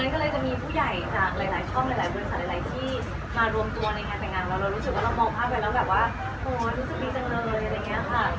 ก็เลยจะมีผู้ใหญ่จากหลายช่องหลายบริษัทหลายที่มารวมตัวในงานแต่งงานเราเรารู้สึกว่าเรามองภาพไปแล้วแบบว่ารู้สึกดีจังเลยอะไรอย่างนี้ค่ะ